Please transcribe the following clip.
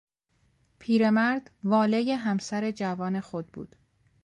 پیرمرد والهی همسر جوان خود بود.